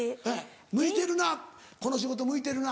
「向いてるなこの仕事向いてるな」。